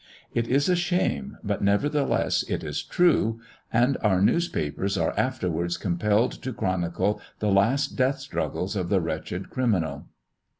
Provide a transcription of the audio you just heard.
It is a shame; but, nevertheless, it is true. And our newspapers are afterwards compelled to chronicle the last death struggles of the wretched criminal!"